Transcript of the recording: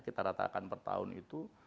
kita ratakan per tahun itu